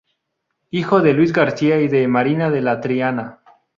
Hijo de Luis García y de Marina de Triana.